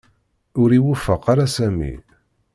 Ur iwufeq ara Sami.